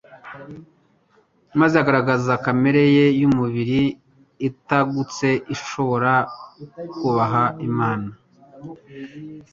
maze akagaragaza kamere ye y'umubiri itagutse idashobora kubaha Imana.